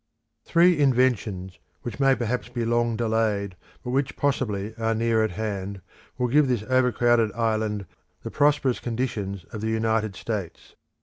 Three inventions which perhaps may be long delayed, but which possibly are near at hand, will give to this overcrowded island the prosperous conditions of the United States.